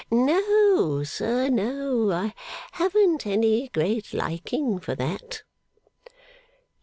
'No, sir; no. I haven't any great liking for that.